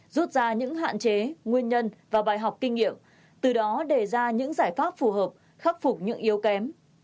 rút ra những hạn chế nguyên nhân và bài học kinh nghiệm từ đó đề ra những giải pháp phù hợp khắc phục những yếu kém